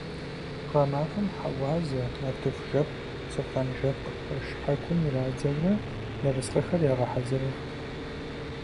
Гъэмахуэм хьэуазэ, нартыхужэпкъ, сэхуранжэпкъ пэшхьэкум ирадзэурэ, ерыскъыхэр ягъэхьэзырырт.